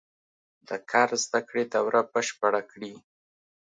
د کار زده کړې دوره بشپړه کړي.